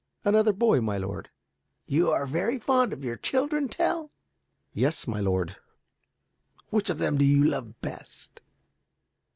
"Another boy, my lord." "You are very fond of your children, Tell?" "Yes, my lord." "Which of them do you love best?"